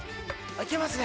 いけますね。